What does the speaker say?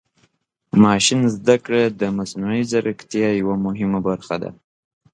ماشین زده کړه د مصنوعي ځیرکتیا یوه مهمه برخه ده.